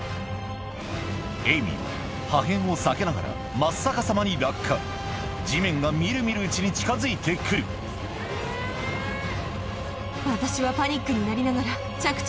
エイミーは破片を避けながら真っ逆さまに落下地面が見る見るうちに近づいて来る私は。